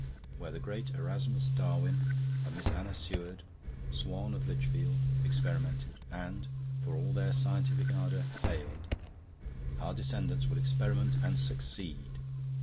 Where the great Erasmus Darwin and Miss Anna Seward, Swan of Lichfield, experimented and, for all their scientific ardour, failed our descendants will experiment and succeed.